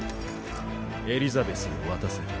エリザベスを渡せ。